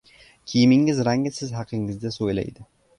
Kiyimingiz rangi siz haqingizda so‘zlaydi